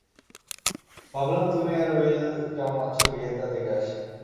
ভাবলাম তুমি আর উইল কেমন আছো গিয়ে তা দেখি আসি।